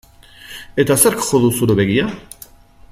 Eta zerk jo du zure begia?